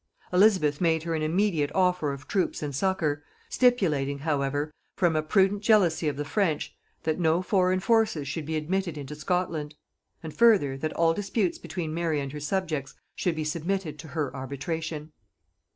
Elizabeth made her an immediate offer of troops and succour, stipulating however, from a prudent jealousy of the French, that no foreign forces should be admitted into Scotland; and further, that all disputes between Mary and her subjects should be submitted to her arbitration.